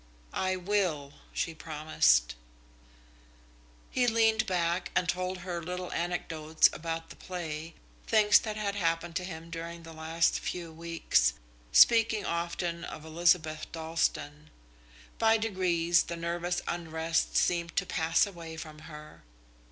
"I will," she promised. He leaned back and told her little anecdotes about the play, things that had happened to him during the last few weeks, speaking often of Elizabeth Dalstan. By degrees the nervous unrest seemed to pass away from her.